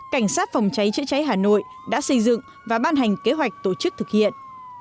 cảnh sát phòng cháy chữa cháy hà nội đã xây dựng và ban hành kế hoạch tổ chức thực hiện